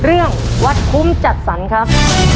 เรื่องวัดคุ้มจัดสรรครับ